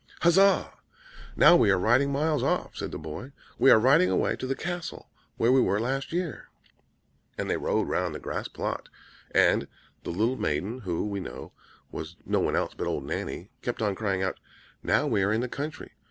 "Huzza! Now we are riding miles off," said the boy. "We are riding away to the castle where we were last year!" And on they rode round the grass plot; and the little maiden, who, we know, was no one else but old Nanny, kept on crying out, "Now we are in the country!